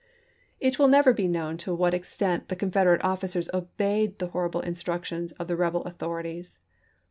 It will never be known to what extent the Con federate officers obeyed the horrible instructions of the rebel authorities.